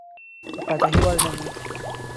د پاچهي وړ نه وو.